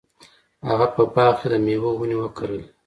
هغه په باغ کې د میوو ونې وکرلې.